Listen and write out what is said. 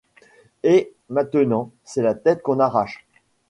Et, maintenant, c’est la tête qu’on arrache...